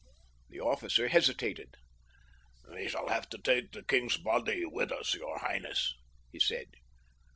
The officer hesitated. "We shall have to take the king's body with us, your highness," he said.